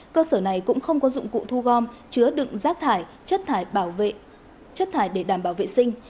cơ sở này cũng không có dụng cụ thu gom chứa đựng rác thải chất thải để đảm bảo vệ sinh